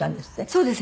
そうです。